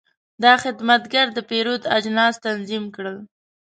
دا خدمتګر د پیرود اجناس تنظیم کړل.